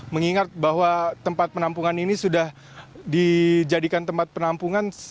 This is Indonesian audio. mengingat bahwa tempat penampungan ini sudah dijadikan tempat penampungan